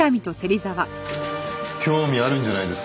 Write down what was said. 興味あるんじゃないですか？